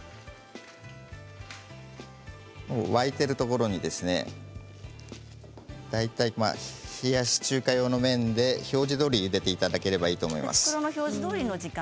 沸いているところに大体、冷やし中華用の麺で表示どおり、ゆでていただければいいと思います。